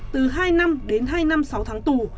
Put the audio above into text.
từ hai năm đến hai năm sáu tháng tù